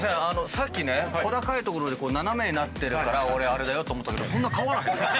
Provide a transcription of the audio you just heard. さっきね小高い所で斜めになってるから俺あれだよと思ったけど。